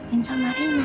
insya allah reina